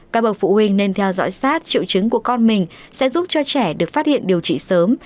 các bậc phụ huynh nên theo dõi sát triệu chứng của con mình sẽ giúp cho trẻ được phát hiện điều trị sớm